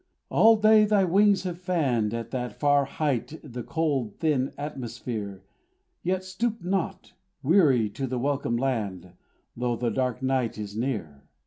All day thy wings have fanned, At that far height, the cold, thin atmosphere, Yet stoop not, weary, to the welcome land, Though the dark night is near.